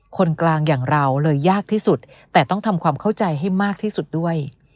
คนกลางอย่างเราเลยยากที่สุดแต่ต้องทำความเข้าใจให้มากที่สุดด้วย